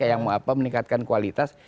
yang mau apa meningkatkan kualitas